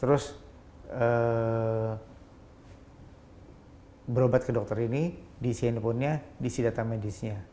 terus berobat ke dokter ini diisi handphonenya diisi data medisnya